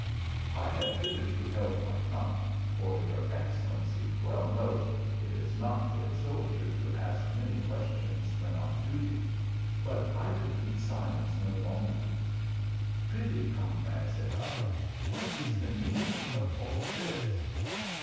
" I had hitherto held my tongue, for your ex cellency well knows, it is not for a soldier to ask many questions when on duty, but I could keep silence no longer. " Pry thee, comrade, said I, what is the mean ing of all this?